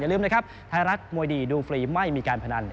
ลืมนะครับไทยรัฐมวยดีดูฟรีไม่มีการพนัน